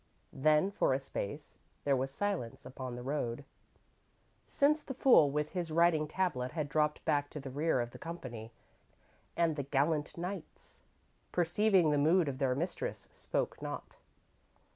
"_ _Then, for a space, there was silence upon the road, since the fool, with his writing tablet, had dropped back to the rear of the company, and the gallant knights, perceiving the mood of their mistress, spoke not.